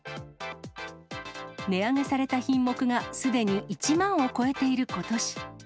値上げされた品目が、すでに１万を超えていることし。